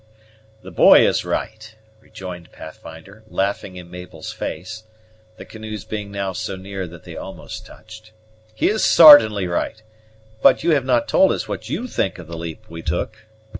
"The boy is right," rejoined Pathfinder, laughing in Mabel's face, the canoes being now so near that they almost touched; "he is sartainly right. But you have not told us what you think of the leap we took?"